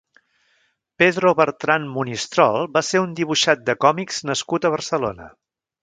Pedro Bertran Monistrol va ser un dibuixant de còmics nascut a Barcelona.